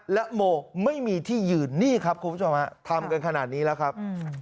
และโมไม่มีที่ยืนนี่ครับคุณผู้ชมฮะทำกันขนาดนี้แล้วครับ